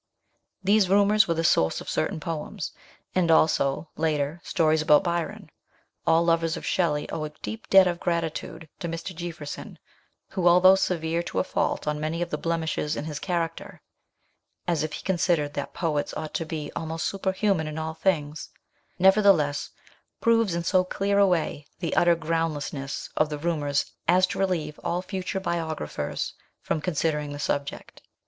These rumours were the source of certain poems, and also, later, stories about Byron. All lovers of Shelley owe a debt of 7 98 MRS. SHELLEY. deep gratitude to Mr. Jeaffreson, who, although severe to a fault on many of the blemishes in his character (as if he considered that poets ought to be almost superhuman in all things), nevertheless proves in so clear a way the utter groundlessness of the rumours as to relieve all future biographers from considering the subject.